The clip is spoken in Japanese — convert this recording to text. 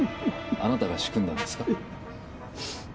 あなたが仕組んだんですか？